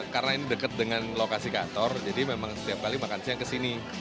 karena ini dekat dengan lokasi kantor jadi memang setiap kali makan siang kesini